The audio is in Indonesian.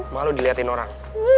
malu dilihatin orang